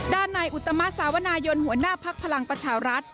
ด้านนายอุตมะสาวนายนหัวหน้าภักดิ์พลังประชารัฐ